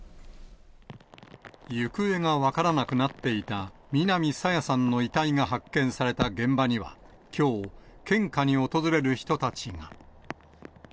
行方が分からなくなっていた南朝芽さんの遺体が発見された現場には、きょう、献花に訪れる人たちが。